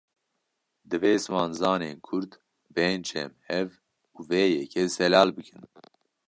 Divê zimanzanên kurd, bên cem hev û vê yekê zelal bikin